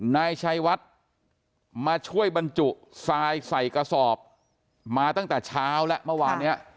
นายชัยวัดมาช่วยบรรจุทรายใส่กระสอบมาตั้งแต่เช้าแล้วเมื่อวานเนี่ย